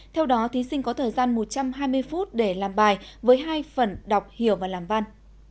theo đó thí sinh có thời gian một trăm hai mươi phút để làm bài với hai phần đọc hiểu và làm văn